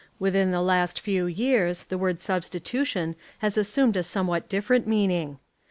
Within the last few years the word substitution has assumed a somewhat different meaning.